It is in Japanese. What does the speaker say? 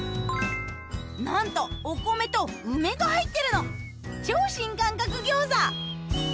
なんとお米と梅が入ってるの超新感覚餃子！